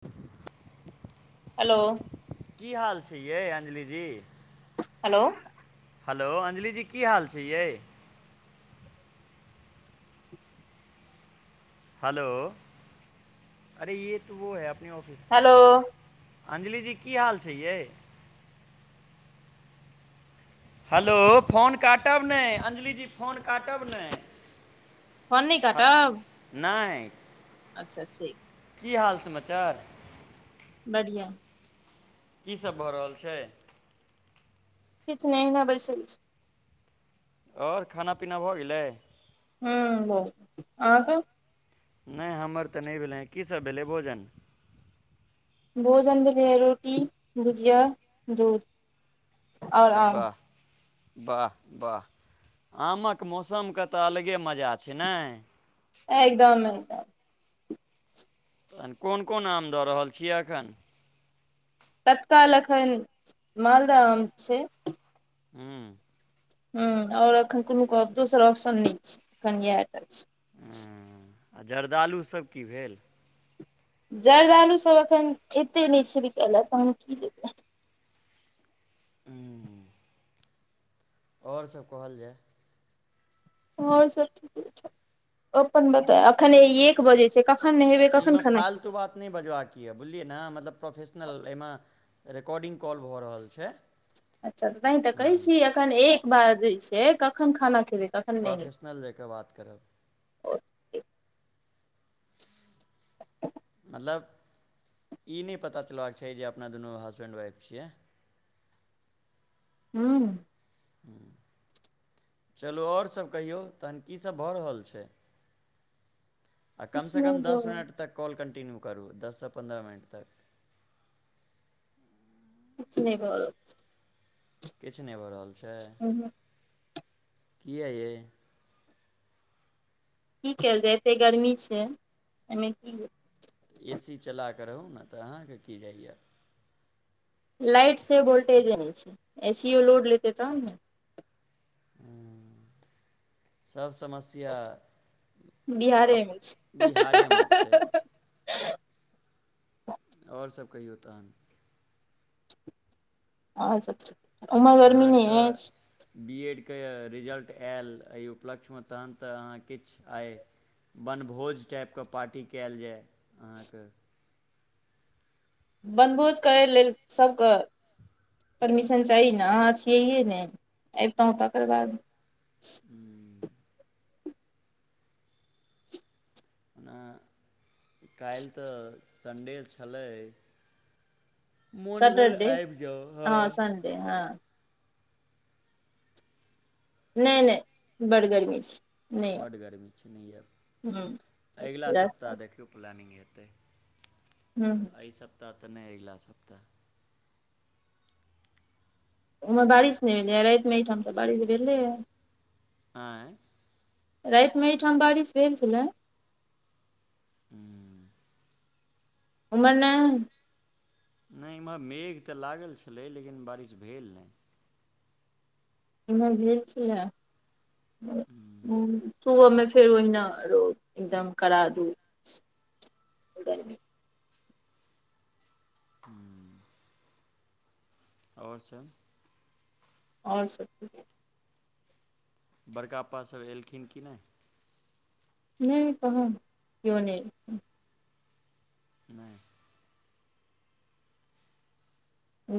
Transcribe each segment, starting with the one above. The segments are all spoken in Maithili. [unintelligible] हलो की हाल छै यै अंजलि जी हलो हलो, अंजलि जी की हाल छै यै हलो, अरे ये तो वो है अपने ऑफिस कि हेलो अंजलि जी की हाल छै यै हलो फोन काटब नै, अंजलि जी फोन काटब नै फोन नै काटब नहि अच्छा ठीक की हाल समाचार बढ़िया की सब भ रहल छै किछ नै अहिना बैसल छी और खाना पीना भ गेलै हूं भ गेलै, आंहा के नै हमर त नै भेलैये, की सब भेलै भोजन भोजन भेलैये रोटी भुजिया दुध वाह, वाह वाह आमक मौसमके त अलगे मजा छै नाइ एकदम एकदम तहन कोन कोन आम द रहल छि एखन तत्काल अखन मालदह आम छै हुं हुं, और अखन कुनु कहब कोनो दोसर ऑप्शन नहि छै। अखनि इएह टा छै हुं आ जर्दालुसब की भेल जरदालुसब अखन एते नहि छै बिकाइ ले, तहन हम की लेबै हुं और सब कहल जाय और सब ठीके ठाक, अपन बताब अखन एक बजै छै कखन नेहेबै एहिमे कखन खेनाइ फालतू खेबै बात नहि बजबाक यऽ बुझलियै ने मतलब प्रोफेशनल एहिमे रेकॉर्डिंग कॉल भ रहल छै अच्छा तैं त हँ कहै छी एखन एक बाजै छै, कखन खाना खेबै कख प्रोफेशनल जकाऽ बात करब हेतै ह [unintelligible] मतलब ई नहि पता चलबाक चाही जे अपना दुनू हसबैंड वाइफ छियै हूंम्म [inaudible] चलू आओर सब कहियौ तहन की सब भऽ रहल छै आ किछु कमसँ नहि कम भऽ दस रहल मिनट छै, तक कॉल कन्टिन्यू करू, दससँ पन्द्रह मिनट तक किछ नहि भऽ रहल छै किछु नहि भऽ रहल छै, किये यै की कैल जाय, एतेक गर्मी छै। एहिमे की ए सी चला कऽ रहू ने तऽ अहाँके की जाइए लाइट से वोल्टेज नहि छै, एसीओ लोड लेतै तहन ने उंम्म सब समस्य या बिहारे अप मे छै बिहारेमे छै? ओर सब कहीयौ तहन आओर सब ठीक उम्हर गर्मी अहाँके नहि अछि बी एड के रिजल्ट आयल, एहि उपलक्ष्यमे तखन तऽ अहाँ किछु आय वनभोज टाइपके पार्टी कयल जाय अहाँके वनभोज करय लेल सभके परमिशन चाही ने। अहाँ छियैे ने, अबितौं तकर बाद [inaudible] हँ काल्हि तऽ संडे छलै मोन भेल आबि जाउ हँ तेहें [unintelligible] नहि नहि, बड्ड गर्मी छै नहि बड्ड गर्मी छै नहि ह एब। अगिला रास्ता सप्ताह देखियौ प्लानिंग हेतै हूंम्म एहि सप्ताह तऽ नहि अगिला सप्ताह ओम्हर बारिश नहि भेलैए, रातिमे एहिठाम तऽ बारिश भेलैए आँय राति मे एहिठाम बारिश भेल छलै उंम्म ओम्हर नै नहि इम्हर मेघ तऽ लागल छलै लेकिन बारिश भेल नहि इम्हर भेल छलै उंम्म सुबहमे फेर ओहिना रौद एकदम कड़ा धूप गर्मी [inaudible] आओर सब आओर सब ठीक बड़का पा सभ एलखिन कि नहि? नहि कहाँ, कियो नहि एलखिन नहि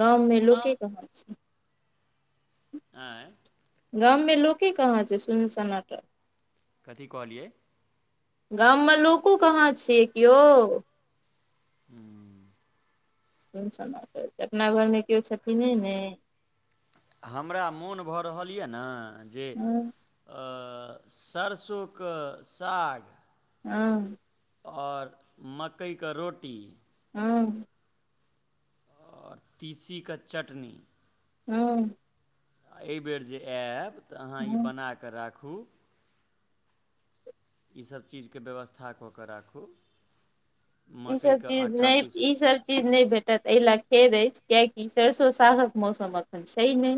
गाममे लोके कहाँ छै? आँय गाममे लोके कहाँ छै, सुन-सन्नाटा कथी कहलियै? गाममे लोको कहाँ छियै कियो हू सम अपना घर में कियो छथिन नय न हमरा मोन भऽ रहल यऽ न जे हँ अऽऽऽऽ सरसो कऽ साग हँ आओर मकैय कऽ रोटी हुंऽऽऽऽ तीसी कऽ चटनी हं एहिबेर जे आएब तऽ अहाँ ई हँ बनाकऽ राखू ई सभ चीज के व्यवस्था कऽ कऽ राखू ई सब मकइके चीज नै आटा पीसू ई सब चीज नय भेटत एहि लए खेद अछि कियाकि सरसो सागक मौसम अखन छै नय।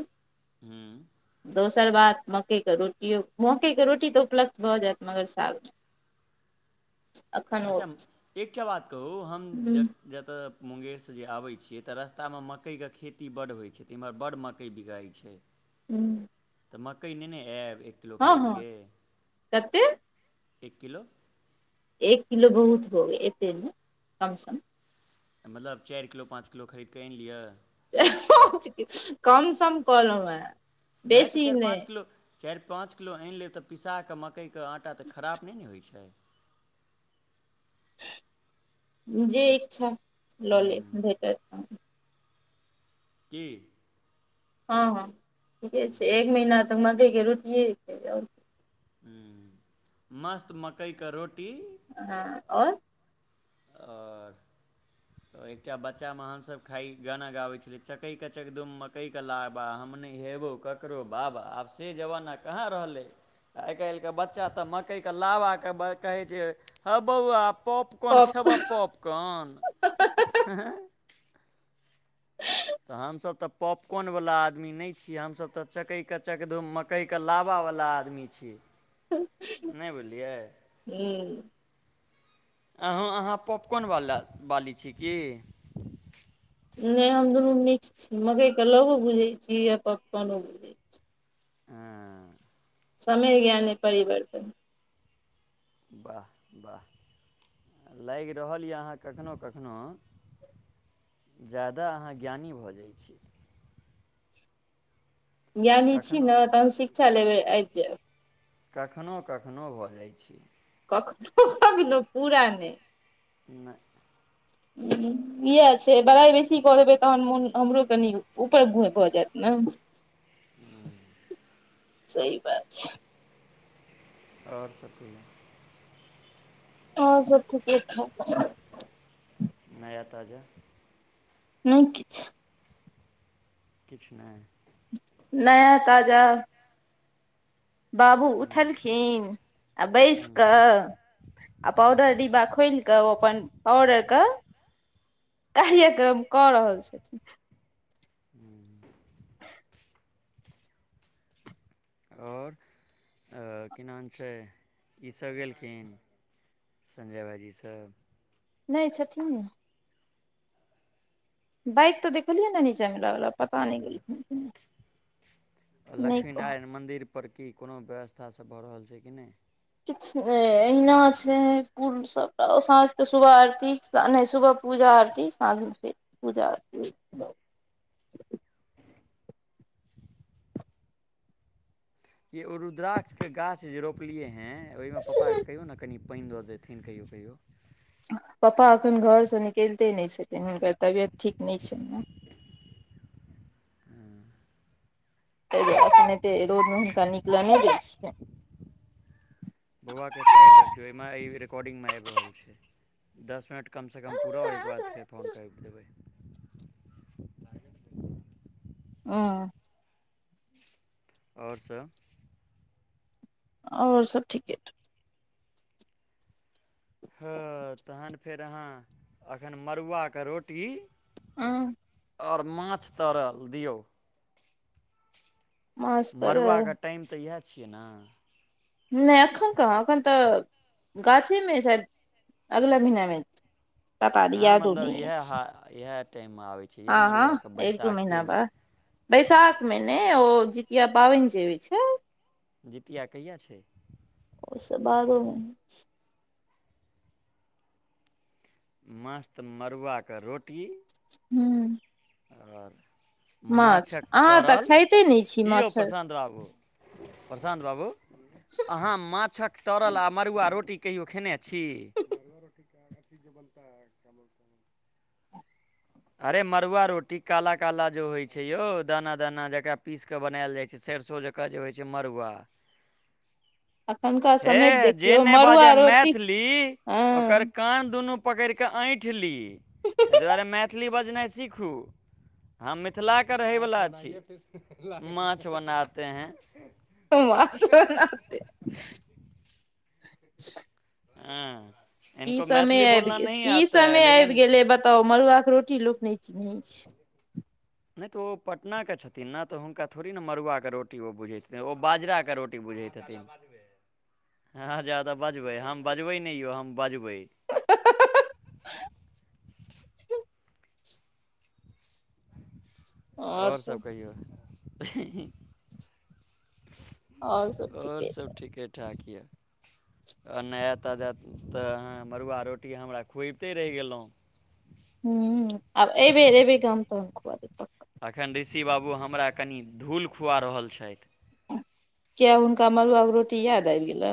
हूँ दोसर बात मकइके रोटियो मकइके रोटी तऽ उपलब्ध भऽ जायत मगर साग नै अच्छा म् एकटा बात कहू हम ज हूँ जतऽ मुंगेरसँ जे आबै छियै तऽ रस्तामे मकइके खेती बड्ड होइ छै, तऽ एम्हर बड्ड मकइ बिकाइ छै। हूँ त मकय नेने ऐब एक किलो हँ हँ खरीदके कते एक किलो एक किलो बहुत हो गेल एते नै कम सम मतलब चाइर किलो पाँच किलो खरीद कऽ आइन लिअ [unintelligible] कम सम कलहुँ हें नहि तऽ चाईर पाँच किलो चारि पाँच किलो आनि लेब तऽ पिसा कऽ मकइ कऽ आटा तऽ खराब नय ने होइ छै। जे ईक्षा लऽ ह्म लेब भेटत की हँ हँ ठीके छै एक महीना तऽ मकयके रोटिये खेबै और की हुं मस्त मकयक रोटी हँ आओर आओर तऽ एकटा बच्चा में अहाँ सभ खाइ गाना गाबै छलै चकय के चकधुम मकई के लाबा हम नय हेबउ ककरो बाबा आब से जबाना कहाँ रहलय आय कैल के बच्चा तऽ मकइके लावा के कहै छै ह बौआ पॉप पप खेबऽ पॉपकॉन हँ ऽऽऽ [inaudible] तऽ हमसभ तऽ पॉपकाॅन वला आदमी नय छी हमसभ तऽ चकै के चक धूम मक य क लावा वला आदमी छि नय बुझलीयै हूं अहाँ अहाँ पॉपकॉन वाला बाली छी की नय हम दुनू मिक्स छी मकइके लवो भुझै छी आ पॉपकोनो बुझै ऐं समय ज्ञाने परिवर्तन वाह वाह लागि रहल य अहाँ कखनो कखनो ज्यादा अहाँ ज्ञानी भऽ जाइ छी ज्ञानी छी कखनो नऽ तहन शिक्षा लेबै आबि जायब कखनो कखनो भऽ जाइ छी कखनो कखनो पूरा नय नय हू इएह छै बड़ाइ बेसी कऽ देबै तहन मोन हमरो कनि ऊपर भोय भऽ जायइत नऽ [unintelligible] सही बात छै ओर सब कहियो और सब ठीके ठाक छै नया ताजा नहि किछ किछ नहि नया ताजा बाबू उठलखिन आ बैस कऽ आ पाउडर डिब्बा खोल कऽ ओ अपन ऑर्डर के कार्यक्रम कऽ रहल छथिन [unintelligible] आओर की नाम छै ईसभ गेलखिन संजय भाजीसभ नहि छथिने बाइक तऽ देखलियैन नीचा म लागल पता नहि गेलखिन आ नहि कहब लक्ष्मीनारायण मन्दिरपर की कोनो व्यवस्थासभ भऽ रहल छै कि नहि किछ अहिना छै पूर् सबटा साँझ के शुभ आरती तऽ येहना सुबह पूजा आरती साँझमे फेर पूजा आरती ये ओ रुद्राक्षके गाछ जे रोपलियै हेँ ओहिमे पापाकेँ कहियओ नऽ कनि पानि दऽ देथिन कहियो कहियो पापा एखन घरसँ निकलिते नहि छथिन हुनकर तबियत ठीक नहि छनि ते दुआरे एखन ऐते रोदमऽ हुनका नीक लऽ नहि दै छियनि बौआ कऽ साइड रखियो एहिमे ई रेेकॉर्डिंगमे आबि रहल छै दस मिनट कमसँ कम पूरा होइके बाद फेर फोन काइट देबै [unintelligible] ओर सभ ओर सब ठीके हँ तहन फेर अहाँ एखन मड़ुआकऽ रोटी [unintelligible] ओर माछ तरल दियौ माछ तऽ रहै मड़ुआके टाइम तऽ इएह छियै नऽ नहि एखन कहाँ एखन तऽ गाछेमऽ शाय अगला महिनामे [unintelligible] यादो नहि अछि इहाय टाम मऽ आबे छै हँ यै हँ मड़ुआके एक दू महिना बैसाखेमे बाद बैसाख मे ने ओ जितिया पाबनि जे होइ छै जितििया कहिया छै ओ बादोमे [unintelligible] मस्त मड़ुआकऽ रोटी हू आओर माछक अहाँ तऽ तरल खाइते नहि छी की यौ माछ प्रशान्त बाबू। प्रशान्त बाबू अहाँ माछक तरल आ मड़ुआ रोटी। कहियो खेने छी। अरे मड़ुआ रोटी काला काला जो होइ छै यौ दाना दाना जकरा पीस क बनायल जाय छै सरसो जक। ओकर जे होइ छै मड़ुआ। अखुनका हे समय के जे देखियौ नहि बाजय मड़ुआ रोटी मैथिली ओकर। हँ कान दुनू पकड़िकऽ एठि ली ता दुआरे मैथिली बजनाइ सीखू। हँ मिथिला के रहे वला छी माछ बनाते है [unintelligible] े हँ। की समय आबि गेलै, कि समय आबि लेकिन गेलै बताउ मड़ुआके रोटी लोक नहि चिन्हैत छै नहि तऽ ओ पटना के छथिन न तऽ हुनका थोड़ी ने मड़ुआके रोटी ओ बुझैतथिन, ओ बाजराके रोटी बुझैत हथिन। हँ जादा बजबै, हम बजबै ने यौ हम बजबै। आओर ओर सभ सब कहियौ। ह आओर सब ओर ठीके सभ ठीके ठाक येए अ नया ताजा तऽ अहाँ मड़ुआ रोटी हमरा खुबिते रहि गेलहुँ ह आब एहि बेर एहि बेर गाम तऽ खुब द एखन ऋषि बाबू हमरा कनि धूल खुआ रहल छइथ। किया हुनका मडुआ के रोटी याद आबि गेल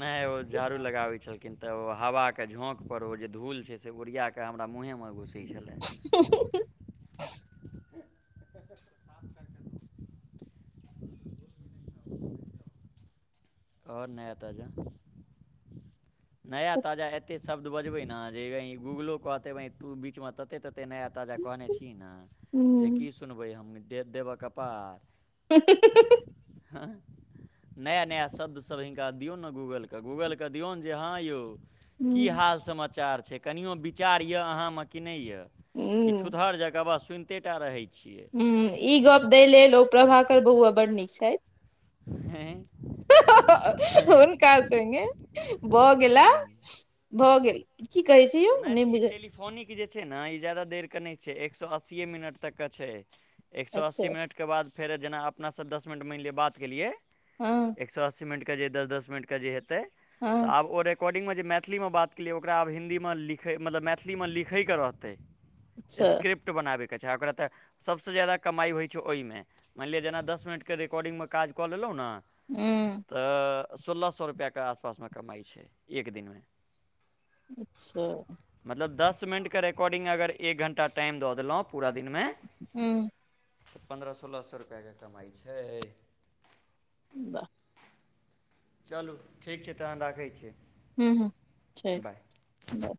नहि ओ झाड़ू लगाबे छलखिन ते ओ हवा के झोंक पर ओ जे धूल छै से उऊरिया के त हमरा मुँहेमे घुसै छलै। ह ह ह साफ करके ओर नया ताजा। नया ताजा एते शब्द बजबै ने जे कही गूगलो कहते तू बीचमे तते कतेक नया ताजा कहने छी ने जे की सुनबै हम दे देबय कपार। हूँ हूँ हूँ हूँ हूँ नया नया शब्द सब इनका दियो न गूगल के, गूगल के दियो न जे हँ यौ की ह हाल समाचार छै। कनयो विचार यऽ अहाँमे कि नहि य कि ह छूतहर जाकऽ आवाज सुनिते टा रहै छियै। ई गप्प दै लेल ओ प्रभाकर बौआ बड्ड नीक छै आए हा हा हा, उनका संगे भ गेला, भ गेल की कहै छै यौ नहि तऽ बुझल इटली फोनिक जे छै ने ई जदा देर के नहि छै एक सए अस्सीए मिनट तक के छै। एक सए अच्छा अस्सी मिनटके बाद फेर जेना अपनासँ दस मिनट मानि लिआ बात केलियै हँ। एक सए अस्सी मिनट के जे दस दस मिनट के जे हेतै, तऽ हँ आब ओर कॉर्डिंग मे जे मैथिली मे बात केलिय ओकरा आब हिन्दी मे लिखै मतलब मैथिली मे लिखैके रहतै अच्छा स्क्रिप्ट बनाबयके चाही ओकरा तऽ। सभसँ ज्यादा कमाइ होइ छै ओहिमे। मानि लिअ जेना दस मिनटके रिकॉर्डिंगमे काज कऽ लेलहुँ न ऊ अऽ अऽ सोलह सए रुपैआके आसपास मे कमाइ छै, एक दिनमे। अच्छा। मतलब दस मिनटके रिकॉडिंग अगर एक घण्टा टाइम दऽ देलहुँ पूरा दिनमे हूँ तऽ पन्द्रह सोलह सए रुपैआके कमाइ छै वाह चलू ठीक छै तहन राखै छी हूँ हूँ छै बाय बाय